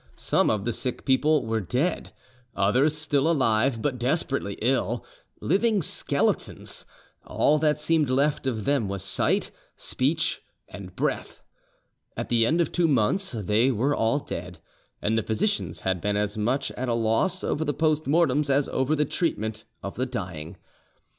Some of the sick people were dead, others still alive, but desperately ill; living skeletons, all that seemed left of them was sight, speech, and breath. At the end of two months they were all dead, and the physicians had been as much at a loss over the post mortems as over the treatment of the dying.